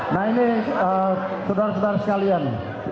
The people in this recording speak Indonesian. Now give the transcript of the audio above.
nah ini saudara saudara sekalian